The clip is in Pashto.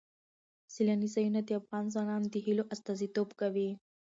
سیلانی ځایونه د افغان ځوانانو د هیلو استازیتوب کوي.